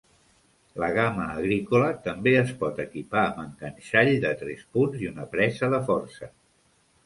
La gama agrícola també es pot equipar amb enganxall de tres punts i una presa de força.